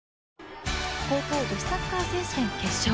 高校女子サッカー決勝。